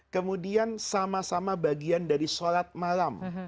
kemudian sama sama bagian dari sholat malam